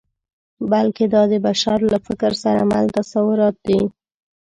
بلکې دا د بشر له فکر سره مل تصورات دي.